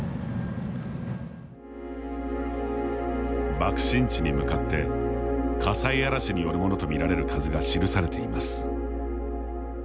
爆心地に向かって火災嵐によるものとみられる風が記されています。